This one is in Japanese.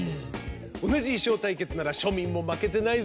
同じ衣装対決なら庶民も負けてないぞ。